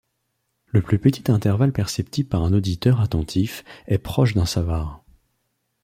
Le plus petit intervalle perceptible par un auditeur attentif est proche d'un savart.